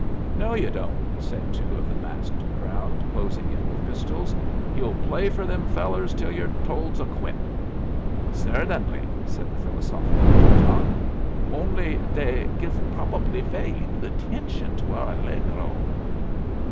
"No you don't," said two of the masked crowd, closing in with pistols. "You'll play fer them fellers till you're told to quit." "Cerdainly," said the philosophical Teuton. "Only dey gif brobably very leedle attention to our Allegro."